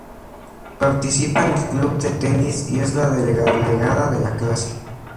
Participa en el club de tenis y es la delegada de la clase.